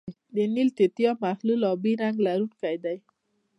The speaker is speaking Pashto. د نیل توتیا محلول آبی رنګ لرونکی دی.